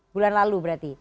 bulan lalu berarti